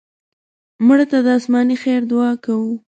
مړه ته د آسماني خیر دعا کوو